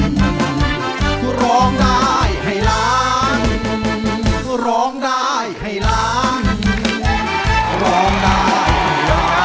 สวัสดีครับ